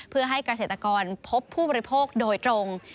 เพื่อให้เกษตรกรพบผู้บริโภคโดยตรง